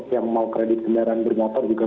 yang mau kredit kendaraan bermotor juga